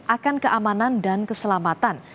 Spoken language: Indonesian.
akan keamanan dan keselamatan